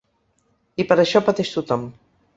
I per això pateix tothom.